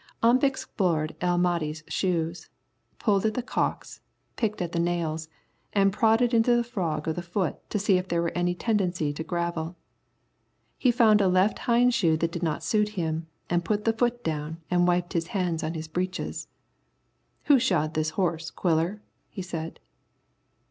Ump explored El Mahdi's shoes, pulled at the calks, picked at the nails, and prodded into the frog of the foot to see if there was any tendency to gravel. He found a left hind shoe that did not suit him, and put down the foot and wiped his hands on his breeches. "Who shod this horse, Quiller?" he said.